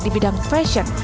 di bidang fashion